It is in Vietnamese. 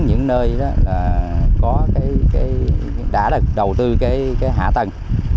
những nơi đã đầu tư hạ tầng